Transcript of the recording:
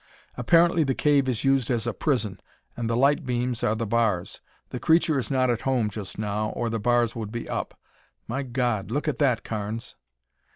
"Apparently the cave is used as a prison and the light beams are the bars. The creature is not at home just now or the bars would be up. My God! Look at that, Carnes!"